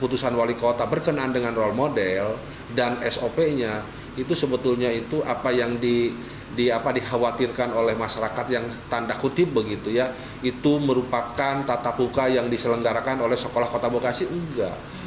tata muka yang diselenggarakan oleh sekolah kota bekasi enggak